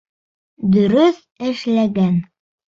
Дөрөҫ эшләгән!